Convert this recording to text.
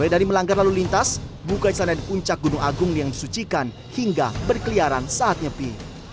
mulai dari melanggar lalu lintas buka istana di puncak gunung agung yang disucikan hingga berkeliaran saat nyepi